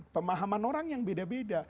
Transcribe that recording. pemahaman orang yang beda beda